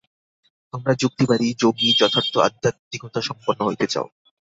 তোমরা যুক্তিবাদী, যোগী, যথার্থ আধ্যাত্মিকতা-সম্পন্ন হইতে চাও।